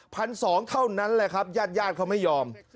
พันสองเท่านั้นแหละครับญาติญาติเขาไม่ยอม